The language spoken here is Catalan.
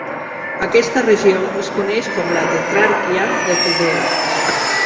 Aquesta regió es coneix com la Tetrarquia de Judea.